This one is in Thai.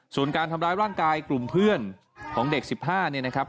ส่วนการทำร้ายร่างกายกลุ่มเพื่อนของเด็ก๑๕เนี่ยนะครับ